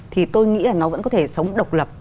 thì tôi nghĩ là nó vẫn có thể sống độc lập